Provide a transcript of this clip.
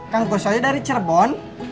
kang gusoy dari cerbon